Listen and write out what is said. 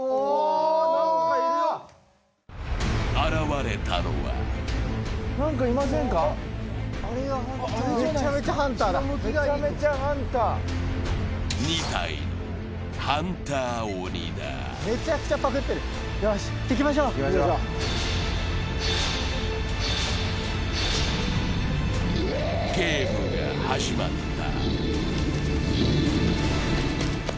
現れたのはゲームが始まった。